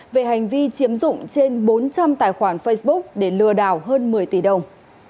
về hành vi chiếm dụng trên bốn trăm linh tài khoản facebook để lừa đảo hơn một mươi tỷ đồng